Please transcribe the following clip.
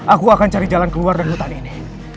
aku akan cari jalan keluar dari hutan ini